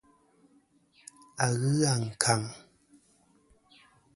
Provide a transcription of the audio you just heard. A ghɨ ankaŋ.